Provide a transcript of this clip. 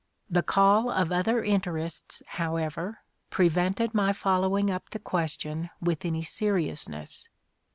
The call of other interests, however, prevented my follow ing up the question with any seriousness.